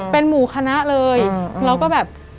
เป็นหมู่คณะเลยแล้วก็แบบ